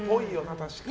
確かに。